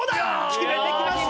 決めてきました！